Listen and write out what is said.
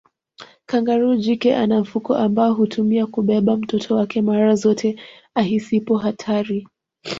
Kangaroo jike ana mfuko ambao hutumia kubebea mtoto wake mara zote ahisipo hatari